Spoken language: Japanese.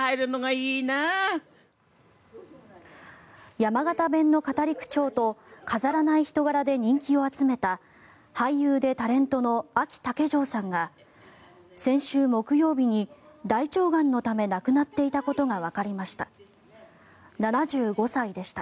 山形弁の語り口調と飾らない人柄で人気を集めた俳優でタレントのあき竹城さんが先週木曜日に大腸がんのため亡くなっていたことがわかりました。